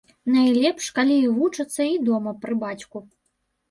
Найлепш, калі і вучацца і дома, пры бацьку.